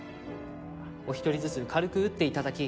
お一人ずつ軽く打って頂き